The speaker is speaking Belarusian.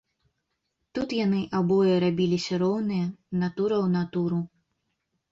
Тут яны абое рабіліся роўныя, натура ў натуру.